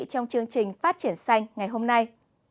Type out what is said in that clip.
trong chương trình phát triển xanh ngày hôm nay